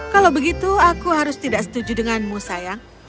kalau begitu aku harus tidak setuju denganmu sayang